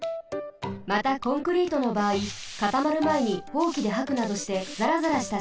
またコンクリートのばあいかたまるまえにホウキではくなどしてざらざらしたしあげにします。